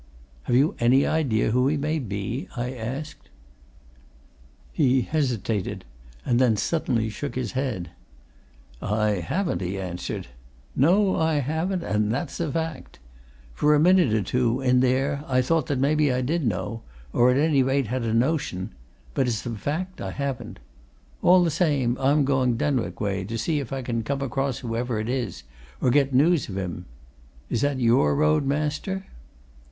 "Have you any idea who he may be?" I asked. He hesitated and then suddenly shook his head. "I haven't!" he answered. "No, I haven't, and that's a fact. For a minute or two, in there, I thought that maybe I did know, or, at any rate, had a notion; but it's a fact, I haven't. All the same, I'm going Denwick way, to see if I can come across whoever it is, or get news of him. Is that your road, master?"